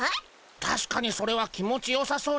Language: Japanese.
たしかにそれは気持ちよさそうでゴンスな。